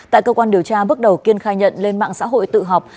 tại cơ quan điều tra bước đầu kiên khai nhận lên mạng xã hội tự học